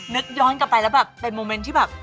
นึกย้อนกลับไปแล้วแบบเป็นโมเมนต์ที่แบบ